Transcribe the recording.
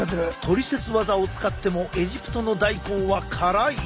トリセツワザを使ってもエジプトの大根は辛い？